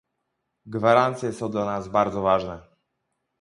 Gwarancje są dla nas bardzo ważne